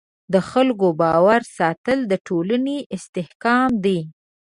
د خلکو باور ساتل د ټولنې استحکام دی.